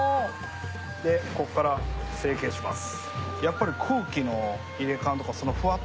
でこっから成形します。